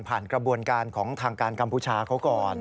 กระบวนการของทางการกัมพูชาเขาก่อน